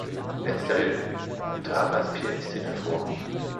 Letztere trat als Pianistin hervor.